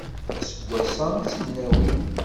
Aseggas-a ad tt-id-nawi.